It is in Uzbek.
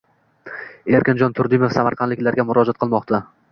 Erkinjon Turdimov samarqandliklarga murojaat qilmoqda